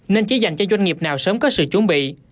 nên chỉ dành cho doanh nghiệp nào sớm có sự chuẩn bị